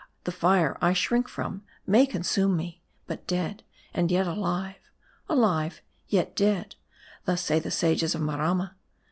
The fire I shrink from, may consume me. But M A R D I. 277 dead, and yet alive ; alive, yet dead ; thug say the sages of Maramma.